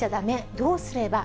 どうすれば？